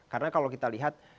karena kalau kita lihat